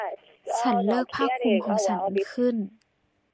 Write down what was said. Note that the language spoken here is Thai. ฉันเลิกผ้าคลุมของฉันขึ้น